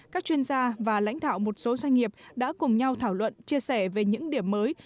các chuyên gia và lãnh đạo một số doanh nghiệp đã cùng nhau thảo luận chia sẻ về những điểm mới